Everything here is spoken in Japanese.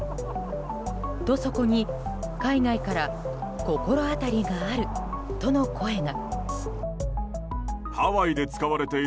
と、そこに海外から心当たりがあるとの声が。